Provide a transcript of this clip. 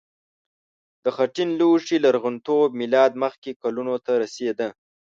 د خټین لوښي لرغونتوب میلاد مخکې کلونو ته رسیده.